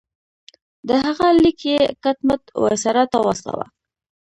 د هغه لیک یې کټ مټ وایسرا ته واستاوه.